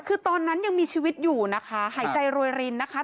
คือตอนนั้นยังมีชีวิตอยู่นะคะหายใจรวยรินนะคะ